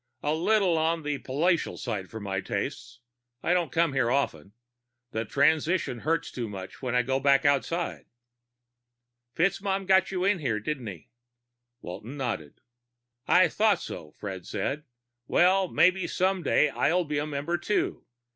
"A little on the palatial side for my tastes. I don't come here often. The transition hurts too much when I go back outside." "FitzMaugham got you in here, didn't he?" Walton nodded. "I thought so," Fred said. "Well, maybe someday soon I'll be a member too.